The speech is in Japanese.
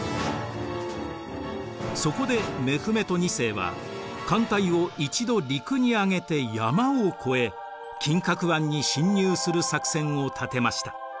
そこでメフメト２世は艦隊を一度陸に上げて山を越え金角湾に侵入する作戦を立てました。